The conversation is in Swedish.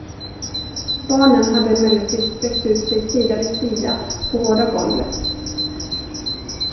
Barnen hade emellertid sträckt ut sig sida vid sida på hårda golvet.